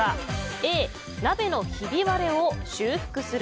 Ａ、鍋のひび割れを修復する。